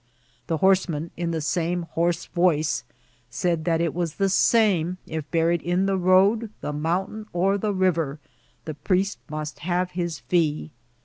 The horseman, in the same hoarse voice, said that it was the same if buried in the road, the moimtain, or the river, the priest must have his fee.